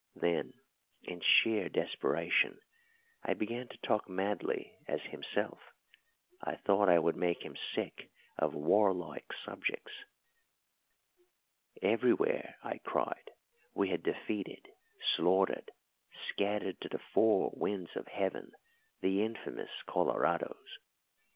Then in sheer desperation I began to talk madly as himself. I thought I would make him sick of warlike subjects. Everywhere, I cried, we had defeated, slaughtered, scattered to the four winds of heaven, the infamous Colorados.